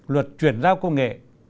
luật chuyển giao công nghệ